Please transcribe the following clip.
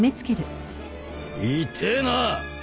痛えな！